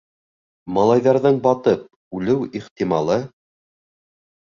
Малайҙарҙың батып, үлеү ихтималы...